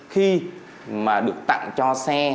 khi mà được tặng cho xe